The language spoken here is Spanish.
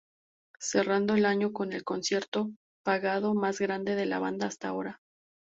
Cerrando el año con el concierto, pagado, mas grande de la banda hasta ahora.